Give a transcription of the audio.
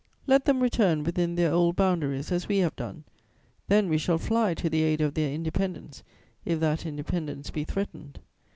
Let them return within their old boundaries, as we have done; then we shall fly to the aid of their independence, if that independence be threatened.